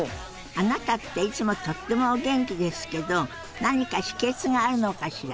あなたっていつもとってもお元気ですけど何か秘けつがあるのかしら？